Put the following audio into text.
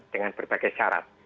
dengan berbagai syarat